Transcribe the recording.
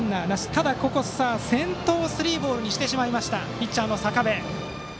ただ、先頭をスリーボールにしてしまったピッチャーの坂部。